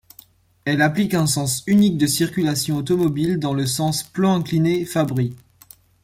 Elle applique un sens unique de circulation automobile dans le sens Plan Incliné-Fabry.